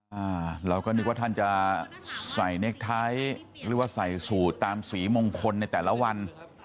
อ่าเราก็นึกว่าท่านจะใส่เน็กไทท์หรือว่าใส่สูตรตามสีมงคลในแต่ละวัน